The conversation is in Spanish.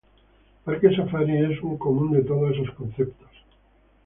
Parque Safari es un común de todos estos conceptos.